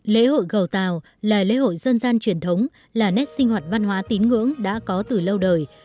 lễ hội gầu tàu là lễ hội dân gian truyền thống là nét sinh hoạt văn hóa tín ngưỡng đã có từ lâu đời